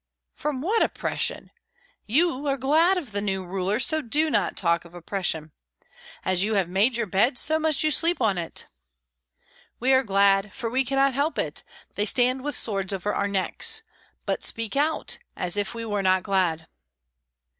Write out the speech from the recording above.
"From what oppression? You are glad of the new ruler, so do not talk of oppression. As you have made your bed, so you must sleep on it." "We are glad, for we cannot help it. They stand with swords over our necks. But speak out, as if we were not glad."